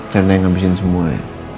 karena yang ngabisin semua ya